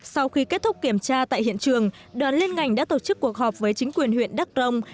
sau khi kết thúc kiểm tra tại hiện trường đoàn liên ngành đã tổ chức cuộc họp với chính quyền huyện đắk rông